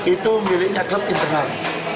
itu miliknya klub internal